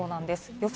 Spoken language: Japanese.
予想